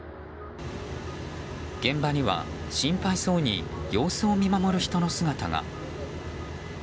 現場には心配そうに様子を見守る人の姿が。